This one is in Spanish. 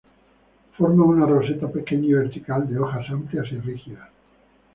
Forma una roseta pequeña y vertical de hojas amplias y rígidas.